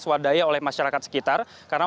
swadaya oleh masyarakat sekitar karena